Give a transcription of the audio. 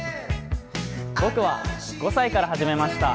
僕は５歳から始めました。